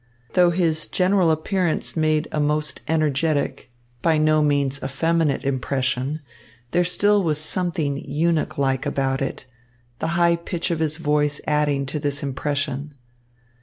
Though his general appearance made a most energetic, by no means effeminate impression, there still was something eunuch like about it, the high pitch of his voice adding to this impression.